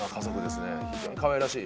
非常にかわいらしい。